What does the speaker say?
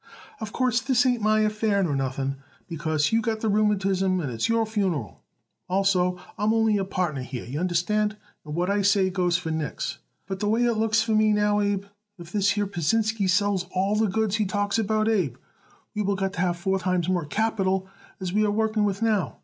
"Of course, this ain't my affair nor nothing, because you got the rheumatism and it's your funeral. Also, I am only a partner here, y'understand, and what I says goes for nix. But the way it looks to me now, Abe, if this here Pasinsky sells all the goods he talks about, Abe, we will got to have four times more capital as we are working with now.